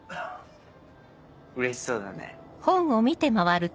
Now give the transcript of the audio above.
うれしそうだね。